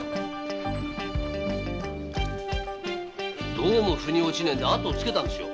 どうもフに落ちねえんで後をつけたんですよ。